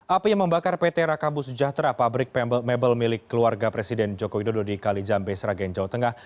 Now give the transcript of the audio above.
api yang membakar pt rakabu sejahtera pabrik mebel milik keluarga presiden joko widodo di kalijambe sragen jawa tengah